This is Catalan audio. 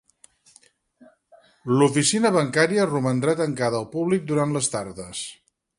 L'oficina bancària romandrà tancada al públic durant les tardes.